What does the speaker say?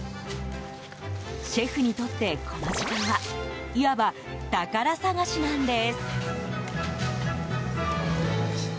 シェフにとってこの時間はいわば宝探しなんです。